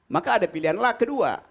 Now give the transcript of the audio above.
maka ada pilihan lah kedua